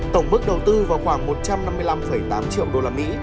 tổng mức đầu tư vào khoảng một trăm năm mươi năm tám triệu usd